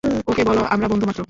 ওকে বলো আমরা বন্ধু মাত্র!